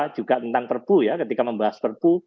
juga tentang perpu ya ketika membahas perpu